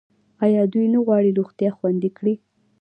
آیا دوی نه غواړي روغتیا خوندي کړي؟